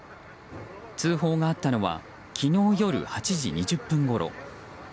通報があったのは昨日夜８時２０分ごろ。